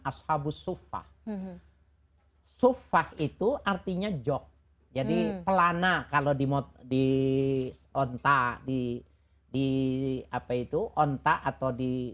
ashabus suffah suffah itu artinya jog jadi pelana kalau di mont di onta di di apa itu onta atau di